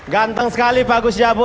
ganteng sekali bapak agus jabo